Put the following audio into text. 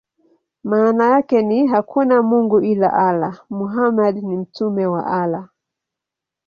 Maana yake ni: "Hakuna mungu ila Allah; Muhammad ni mtume wa Allah".